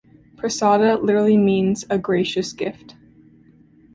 'Prasada' literally means a gracious gift.